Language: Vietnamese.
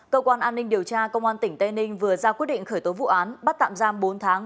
cơ quan an ninh điều tra công an tỉnh tây ninh vừa ra quyết định khởi tố vụ án bắt tạm giam bốn tháng